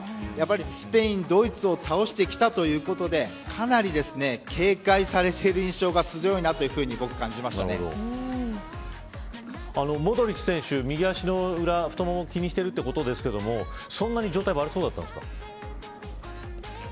スペイン、ドイツを倒してきたということでかなり警戒されている印象がモドリッチ選手、右足の裏太ももを気にしているということですがそんなに状態悪そうだったんですか。